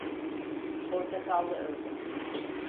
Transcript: Portakallı ördek.